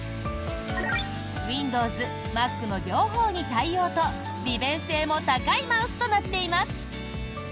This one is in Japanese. ウィンドウズ、マックの両方に対応と利便性も高いマウスとなっています。